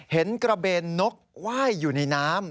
เห็นกระเบนนกว่ายอยู่ในน้ำ